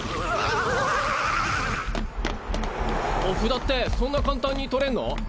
お札ってそんな簡単に取れんの？